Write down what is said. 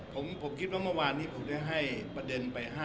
ผมคิดว่าเมื่อวานนี้ผมได้ให้ประเด็นไป